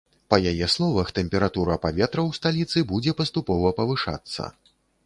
Па яе словах, тэмпература паветра ў сталіцы будзе паступова павышацца.